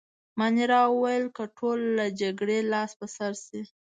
مانیرا وویل: که ټول له جګړې لاس په سر شي.